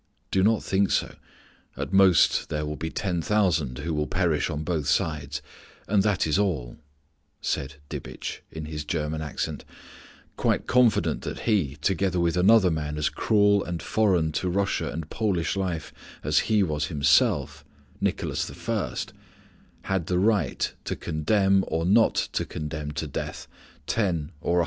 "Do not think so; at most there will be ten thousand who will perish on both sides, and that is all," said Dibitch in his German accent, quite confident that he, together with another man as cruel and foreign to Russian and Polish life as he was himself, Nicholas I, had the right to condemn or not to condemn to death ten or a hundred thousand Russians and Poles.